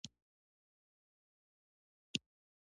د ملخانو د هجوم مخه څنګه ونیسم؟